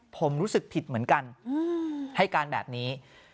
ผมรู้สึกผิดเหมือนกันให้การแบบนี้